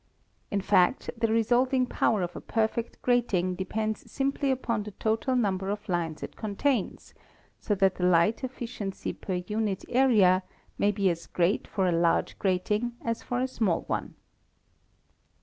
In fact, the resolving power of a perfect grating depends simply upon the total number of lines it contains, so that the light efficiency per unit area may be as great for a large grating as for a small one.